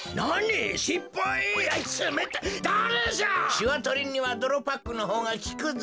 しわとりにはどろパックのほうがきくぞ！